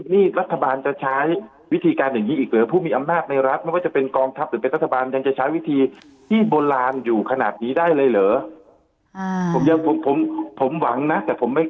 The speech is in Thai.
นี่รัฐบาลจะใช้วิธีการอย่างนี้อีกหรือผู้มีอำนาจในรัฐไม่ว่าจะเป็นกองทัพหรือเป็นรัฐบาลยังจะใช้วิธีที่โบราณอยู่ขนาดนี้ได้เลยเหรอ